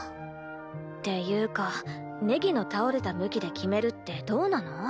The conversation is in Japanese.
っていうかネギの倒れた向きで決めるってどうなの？